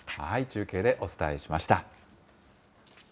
中継でお伝えしました。